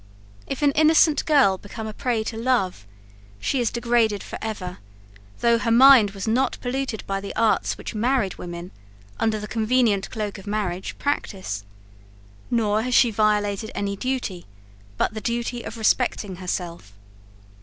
If an innocent girl become a prey to love, she is degraded forever, though her mind was not polluted by the arts which married women, under the convenient cloak of marriage, practise; nor has she violated any duty but the duty of respecting herself.